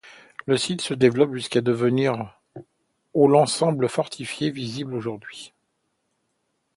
Le site se développe jusqu'à devenir au l'ensemble fortifié visible aujourd'hui.